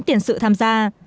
có tiền sự tham gia